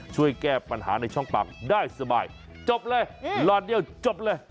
ช่วยแก้ปัญหาในช่องปากได้สบายจบเลยหลอดเดียวจบเลย